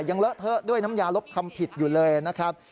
เลอะเทอะด้วยน้ำยาลบคำผิดอยู่เลยนะครับ